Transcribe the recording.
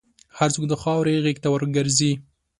هر څوک د خاورې غېږ ته ورګرځي.